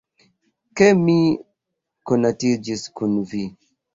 Ke mi konatiĝis kun vi.